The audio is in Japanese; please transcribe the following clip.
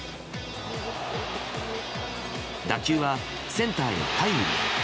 打球はセンターへのタイムリー。